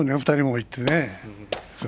２人も行って。